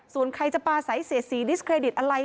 ส่วนใครจะปลาใสเสียสีดิสเครดิตอะไร